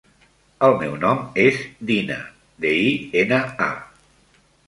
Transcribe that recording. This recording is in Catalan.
El meu nom és Dina: de, i, ena, a.